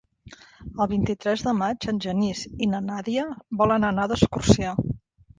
El vint-i-tres de maig en Genís i na Nàdia volen anar d'excursió.